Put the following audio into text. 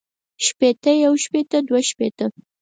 شپېتۀ يو شپېته دوه شپېته